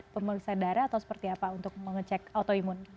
pemeriksaan darah atau seperti apa untuk mengecek autoimun